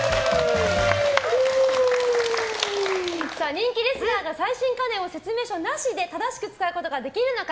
人気レスラーが最新家電を説明書なしで正しく使うことができるのか。